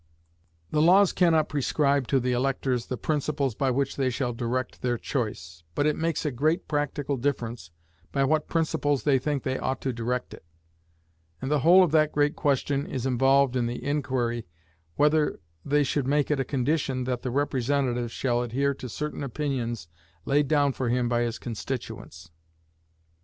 The laws can not prescribe to the electors the principles by which they shall direct their choice, but it makes a great practical difference by what principles they think they ought to direct it; and the whole of that great question is involved in the inquiry whether they should make it a condition that the representative shall adhere to certain opinions laid down for him by his constituents.